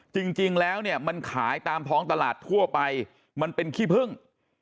จริงแล้วเนี่ยมันขายตามท้องตลาดทั่วไปมันเป็นขี้พึ่ง